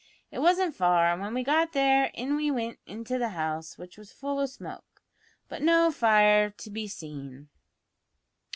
It wasn't far, an' when we got there in we wint into the house, which was full o' smoke, but no fire to be seen.